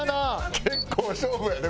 結構勝負やで？